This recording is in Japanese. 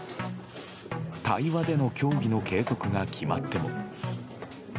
対話での協議の継続が決まっても。